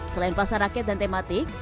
selain pasar rakyat dan tematik